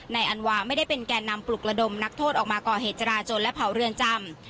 อันวาไม่ได้เป็นแก่นำปลุกระดมนักโทษออกมาก่อเหตุจราจนและเผาเรือนจำ